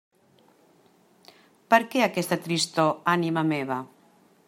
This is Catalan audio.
Per què aquesta tristor, ànima meva?